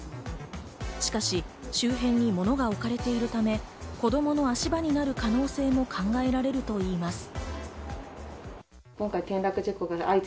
しかし周辺に物が置かれているため、子供の足場になる可能性も考えられるといいます。